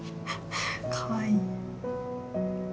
かわいい。